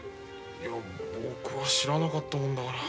いや僕は知らなかったもんだから。